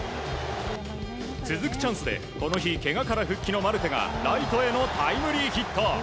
続くチャンスでこの日、けがから復帰のマルテがライトへのタイムリーヒット。